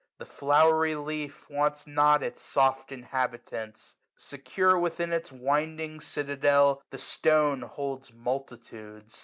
The flowery leaf Wants not its soft inhabitants. Secure, SUMMER 6i Within its winding citadel, the stone Holds multitudes.